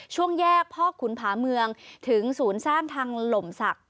ช่วงแยกพ่อขุนผาเมืองถึงศูนย์สร้างทางหล่มศักดิ